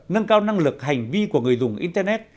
nâng cao năng lực hành vi của người dùng internet